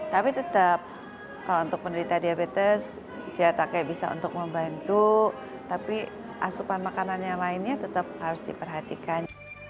tapi tetap kalau untuk penderita diabetes cetaknya bisa untuk membantu tapi asupan makanan yang lainnya tetap harus diperhatikan